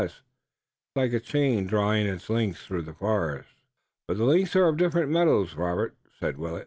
It's like a chain drawing its links through the forest." "But the links are of different metals, Robert," said Willet.